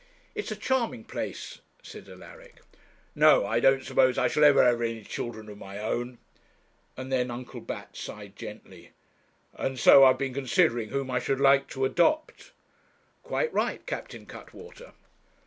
'It's a charming place,' said Alaric. 'No, I don't suppose I shall ever have any children of my own,' and then Uncle Bat sighed gently 'and so I have been considering whom I should like to adopt.' 'Quite right, Captain Cuttwater.'